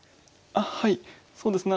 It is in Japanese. あっはいそうですね